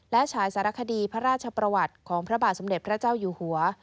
และฉายสารคดีพระราชประวัติของพระบาทสมเด็จพระเจ้าอยู่หัว